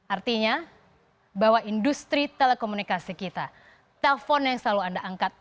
artinya bahwa industri telekomunikasi kita telpon yang selalu anda angkat